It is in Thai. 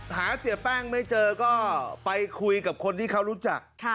หาเสียแป้งไม่เจอก็ไปคุยกับคนที่เขารู้จัก